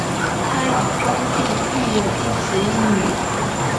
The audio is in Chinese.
他已婚并育有一子一女。